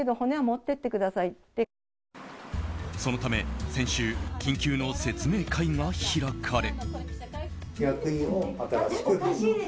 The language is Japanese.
そのため、先週緊急の説明会が開かれ。